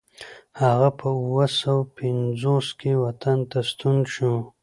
هغه په اوه سوه پنځوس کې وطن ته ستون شو.